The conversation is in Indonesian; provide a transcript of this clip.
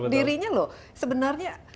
dirinya loh sebenarnya